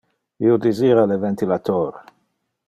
Io desira le ventilator.